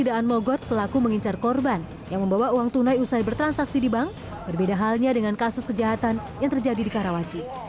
di daan mogot pelaku mengincar korban yang membawa uang tunai usai bertransaksi di bank berbeda halnya dengan kasus kejahatan yang terjadi di karawaci